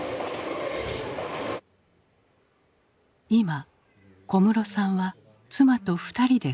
今小室さんは妻と２人で暮らしている。